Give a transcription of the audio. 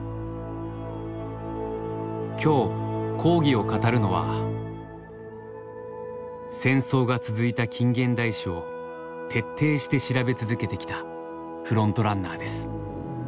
今日講義を語るのは戦争が続いた近現代史を徹底して調べ続けてきたフロントランナーです。